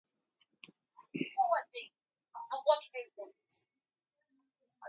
Crew rest quarters were included for long-duration missions.